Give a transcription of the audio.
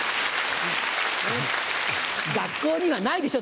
学校にはないでしょ？